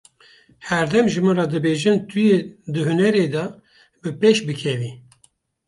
Her dem ji min re dibêjin tu yê di hunerê de, bi pêş bikevî.